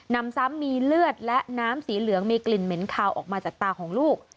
นำซ้ำมีเลือดและน้ำสีเหลืองมีกลิ่นเหม็นคาวออกมาจากตาของลูก